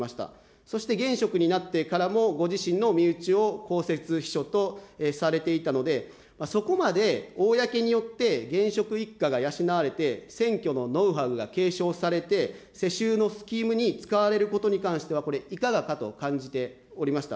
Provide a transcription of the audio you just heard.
そして現職になってからも、ご自身の身内を公設秘書とされていたので、そこまで公によって現職一家が養われて、選挙のノウハウが継承されて、世襲のスキームに使われることに関しては、これ、いかがかと感じておりました。